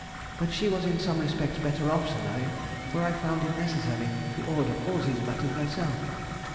But she was in some respects better off than I, for I found it necessary to order all these matters myself.